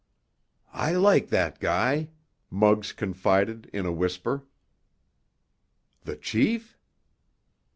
"I like that guy," Muggs confided in a whisper. "The chief?"